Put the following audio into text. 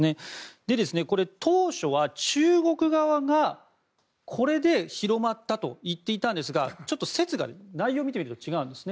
当初は中国側がこれで広まったと言っていたんですがちょっと説が内容見てみると違うんです。